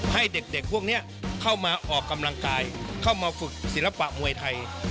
ให้เด็กพวกนี้เข้ามาออกกำลังกายเข้ามาฝึกศิลปะมวยไทย